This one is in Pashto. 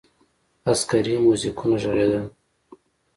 عسکري موزیکونه ږغېدل.